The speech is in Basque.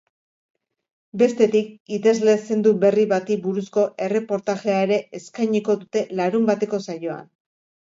Bestetik, idazle zendu berri bati buruzko erreportajea ere eskainiko dute larunbateko saioan.